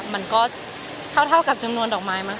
มันก็เท่ากับจำนวนดอกไม้มาก